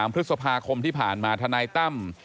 พฤษภาคมที่ผ่านมาทนายตั้ม